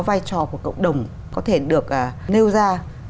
vai trò của cộng đồng có thể được nêu ra